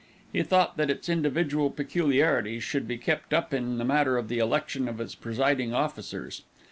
He thought that its individual peculiarities should be kept up in the matter of the election of its presiding officers.